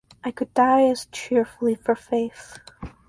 I could die as cheerfully for faith.